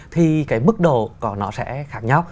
thì cái mức độ nó sẽ khác nhau